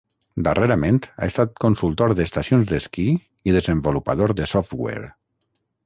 Darrerament ha estat consultor d'estacions d'esquí i desenvolupador de software.